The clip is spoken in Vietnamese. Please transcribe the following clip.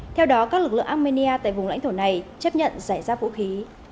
theo đó các lực lượng armenia tại vùng lãnh thổ này chấp nhận giải rác vũ khí